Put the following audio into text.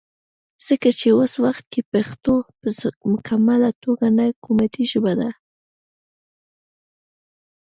ځکه چې وس وخت کې پښتو پۀ مکمله توګه نه حکومتي ژبه ده